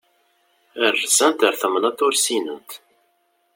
Rzant ar temnaḍt ur ssinent.